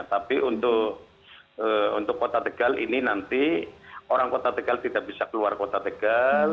tapi untuk kota tegal ini nanti orang kota tegal tidak bisa keluar kota tegal